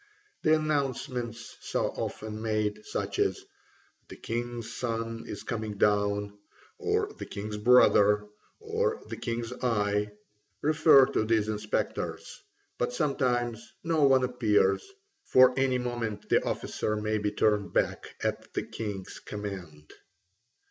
The announcements so often made, such as "the king's son is coming down," or "the king's brother," or "the king's eye," refer to these inspectors, but sometimes no one appears, for at any moment the officer may be turned back at the king's command.